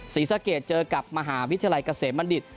ศรีสะเกดเจอกับมหาวิทยาลัยเกษมบัณฑิต